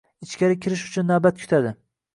Ichkari kirish uchun navbat kutadi.